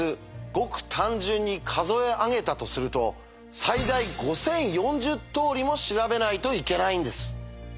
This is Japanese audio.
ごく単純に数え上げたとすると最大５０４０通りも調べないといけないんです。